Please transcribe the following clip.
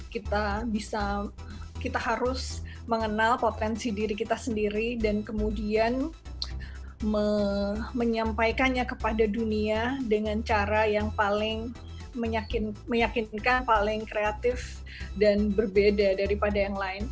kita bisa kita harus mengenal potensi diri kita sendiri dan kemudian menyampaikannya kepada dunia dengan cara yang paling meyakinkan paling kreatif dan berbeda daripada yang lain